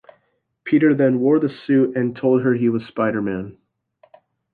Peter then wore the suit and told her he was Spider-Man.